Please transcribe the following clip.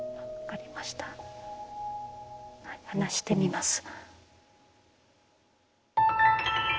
はい話してみます。